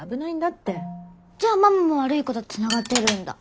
じゃあママも悪い子とつながってるんだ。